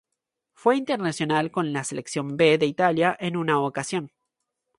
Fue internacional con la selección B de Italia en una ocasión.